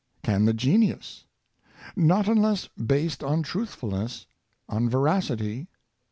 Can the genius ? Not unless based on truthfulness — on veracity.